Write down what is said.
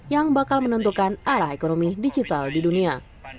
yang bakal menentukan arah ekonomi digital di dunia